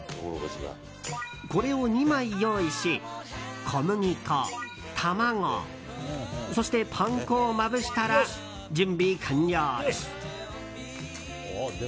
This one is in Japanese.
これを２枚用意し、小麦粉卵、そしてパン粉をまぶしたら準備完了です。ＯＫ！